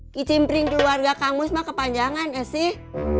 kicimpring keluarga kang mus mah kepanjangan eh sih